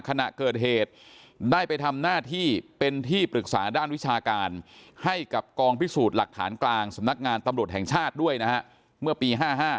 ขณะเกิดเหตุได้ไปทำหน้าที่เป็นที่ปรึกษาด้านวิชาการให้กับกองพิสูจน์หลักฐานกลางสำนักงานตำรวจแห่งชาติด้วยนะฮะเมื่อปี๕๕